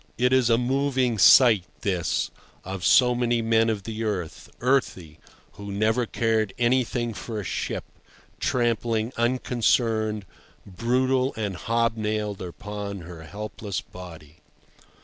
It is a moving sight this, of so many men of the earth, earthy, who never cared anything for a ship, trampling unconcerned, brutal and hob nailed upon her helpless body.